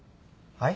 はい。